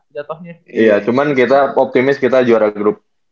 iya cuman kita optimis kita juara grup